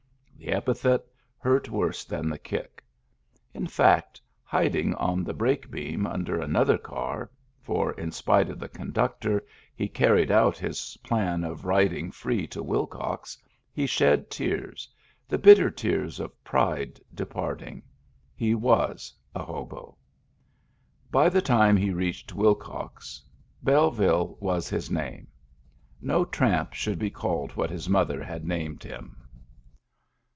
The epithet hurt worse than the kick. In fact, hiding on the brake beam under another car (for in spite of the conductor he carried out his plan of riding free to Willcox) he shed tears, the bitter tears of pride departing; he was a hobo. By the time he reached Willcox, Belleville was his name. No tramp should be called what his mother had named him.